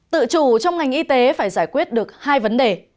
tự chủ trong ngành y tế phải giải quyết được hai vấn đề